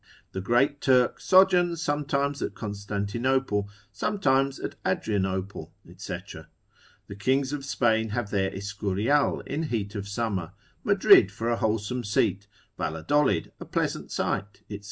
The great Turk sojourns sometimes at Constantinople, sometimes at Adrianople, &c. The kings of Spain have their Escurial in heat of summer, Madrid for a wholesome seat, Valladolid a pleasant site, &c.